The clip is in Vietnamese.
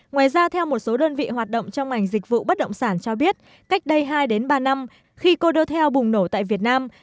ngoài ra theo một số đơn vị hoạt động trong mảnh dịch vụ bất động sản cho biết cách đây hai ba năm khi condotel bùng nổ tại việt nam